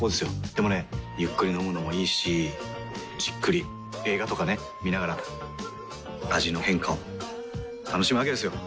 でもねゆっくり飲むのもいいしじっくり映画とかね観ながら味の変化を楽しむわけですよ。